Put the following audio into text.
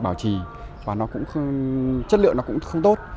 bảo trì và nó cũng chất lượng nó cũng không tốt